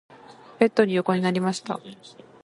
ベッドに横になりました。